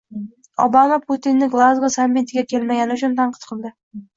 Obama Putinni Glazgo sammitiga kelmagani uchun tanqid qilding